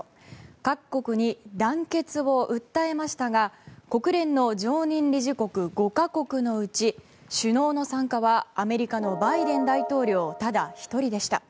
各国に団結を訴えましたが国連の常任理事国５か国のうち首脳の参加はアメリカのバイデン大統領ただ１人でした。